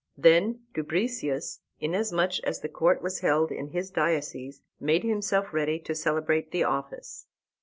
Then Dubricius, inasmuch as the court was held in his diocese, made himself ready to celebrate the office.